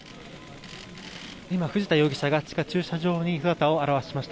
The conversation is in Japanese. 今、藤田容疑者が地下駐車場に姿を現しました。